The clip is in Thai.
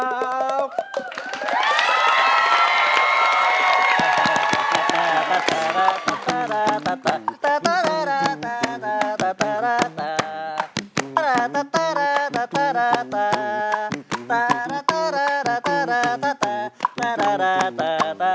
ขอบคุณครับ